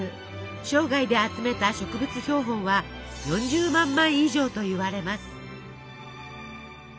生涯で集めた植物標本は４０万枚以上といわれます。